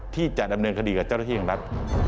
ที่จะดำเนินคดีกับเจ้าหน้าที่ของรัฐ